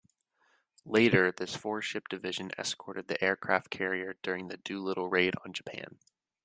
Later, this four-ship division escorted the aircraft carrier during the Doolittle Raid on Japan.